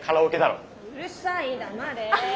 うるさい黙れ。